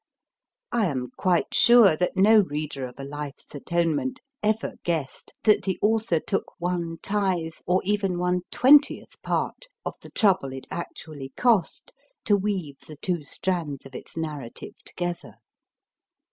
I am quite sure that no reader of * A Life s Atonement ever guessed that the author took one tithe, or even one twentieth part, of the trouble it actually cost to weave the two strands of its narra tive together.